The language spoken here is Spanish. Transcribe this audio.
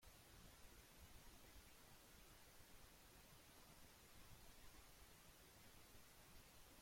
R Scuti y U Monocerotis son dos ejemplos notables dentro de este grupo.